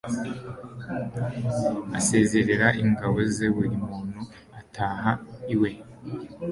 asezerera ingabo ze buri muntu ataha iwe